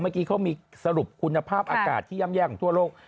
เมื่อกี้เขามีสรุปคุณภาพอากาศที่ย่ำแย่ของทั่วโลก